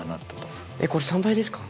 えっこれ３倍ですか？